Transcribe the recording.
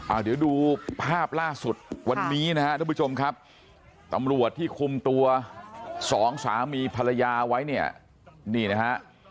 อ่าเดี๋ยวดูภาพล่าสุดวันนี้นะฮะทุกผู้ชมครับตำรวจที่คุมตัวสองสามีภรรยาไว้เนี่ยนี่นะฮะ